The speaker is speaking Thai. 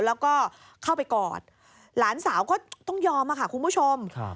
แล้วก็เข้าไปกอดหลานสาวก็ต้องยอมค่ะคุณผู้ชม